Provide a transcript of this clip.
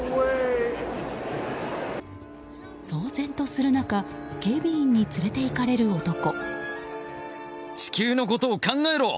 騒然とする中警備員に連れていかれる男。